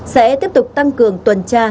sẽ tiếp tục tăng cường tuần tra